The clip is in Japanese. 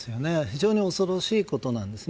非常に恐ろしいことです。